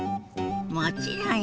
もちろんよ。